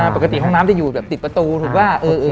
ปกติห้องน้ำจะอยู่แบบติดประตูถูกป่ะ